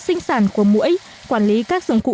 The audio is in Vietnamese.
sinh sản của mũi quản lý các dòng cụ